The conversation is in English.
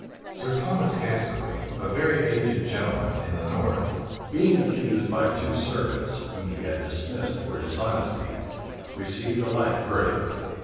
Sir Thomas Gascoigne, a very aged gentleman in the north, being accused by two servants, whom he had dismissed for dishonesty, received a like verdict.